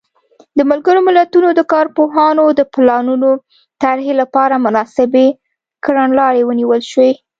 د ملګرو ملتونو د کارپوهانو د پلانونو طرحې لپاره مناسبې کړنلارې ونیول شوې.